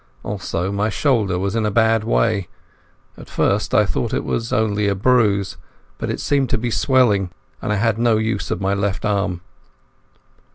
Also my shoulder was in a bad way. At first I thought it was only a bruise, but it seemed to be swelling, and I had no use of my left arm.